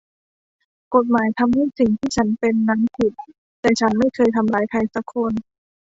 กฎหมายทำให้สิ่งที่ฉันเป็นนั้นผิด แต่ฉันไม่เคยทำร้ายใครสักคน